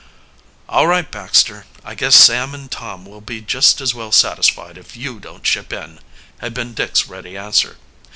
"All right, Baxter; I guess Sam and Tom will be just as well satisfied if you don't chip in," had been Dick's ready answer.